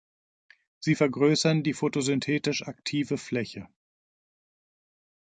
Sie vergrößern die photosynthetisch aktive Fläche.